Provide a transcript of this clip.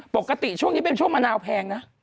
ปกติช่วงนี้เป็นช่วงมะนาวแพงนะ